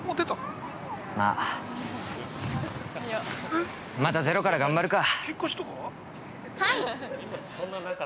まっ、またゼロから頑張るか。